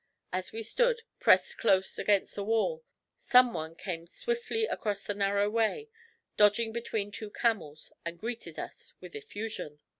As we stood, pressed close against a wall, someone came swiftly across the narrow way, dodging between two camels, and greeted us with effusion.